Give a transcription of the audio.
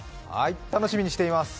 楽しみにしています